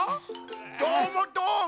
どーもどーも？